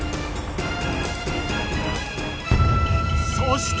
そして。